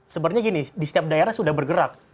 sebenarnya gini di setiap daerah sudah bergerak